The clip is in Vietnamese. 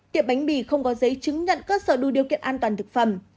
tiệm bánh mì không có giấy chứng nhận cơ sở đủ điều kiện an toàn thực phẩm